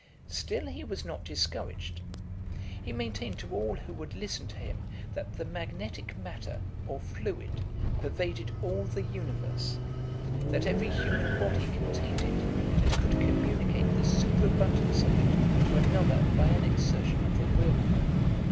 Still he was not discouraged. He maintained to all who would listen to him that the magnetic matter, or fluid, pervaded all the universe that every human body contained it, and could communicate the superabundance of it to another by an exertion of the will.